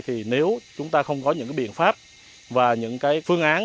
thì nếu chúng ta không có những biện pháp và những cái phương án